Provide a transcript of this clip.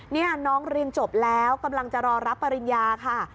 นี่น้องเรียนจบแล้วกำลังจะรอรับปริญญาค่ะ